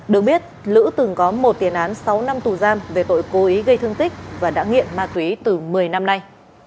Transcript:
được biết lữ từng có một tiền án sáu năm tù giam về tội cố ý gây thương tích và đã nghiện ma túy từ một mươi năm nay